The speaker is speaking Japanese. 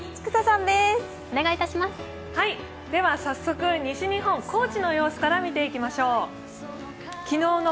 早速、西日本、高知の様子から見ていきましょう。